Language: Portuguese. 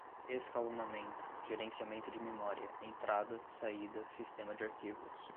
escalonamento, gerenciamento de memória, entrada, saída, sistema de arquivos